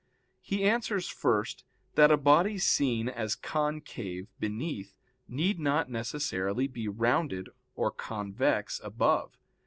He answers first, that a body seen as concave beneath need not necessarily be rounded, or convex, above.